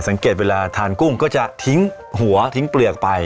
เวลาทานกุ้งก็จะทิ้งหัวทิ้งเปลือกไป